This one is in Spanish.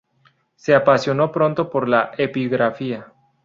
Se apasionó pronto por la epigrafía.